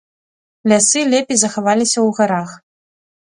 Лясы лепей захаваліся ў гарах.